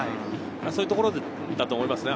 そういうところだと思いますね。